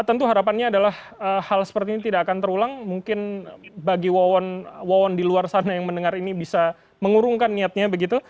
tentu harapannya adalah hal seperti ini tidak akan terulang mungkin bagi wawon di luar sana yang mendengar ini bisa mengurungkan niatnya begitu